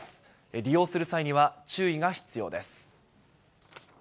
利用する際には注意が必要です。